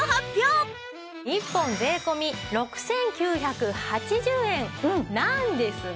１本税込６９８０円なんですが。